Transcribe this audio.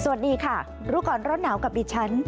สวัสดีค่ะรู้ก่อนร้อนหนาวกับดิฉัน